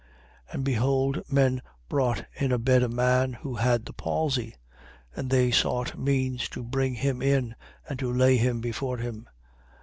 5:18. And behold, men brought in a bed a man who had the palsy: and they sought means to bring him in and to lay him before him.